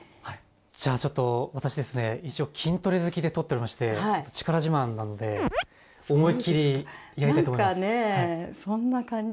じゃあちょっと私ですね一応筋トレ好きで通っておりまして力自慢なので思いっきりやりたいと思います。